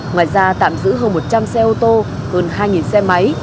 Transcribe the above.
ngoài ra tạm giữ hơn một trăm linh xe ô tô hơn hai xe máy